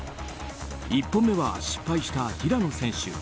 １本目は失敗した平野選手。